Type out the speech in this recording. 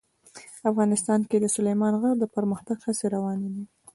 افغانستان کې د سلیمان غر د پرمختګ هڅې روانې دي.